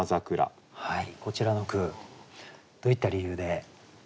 こちらの句どういった理由で？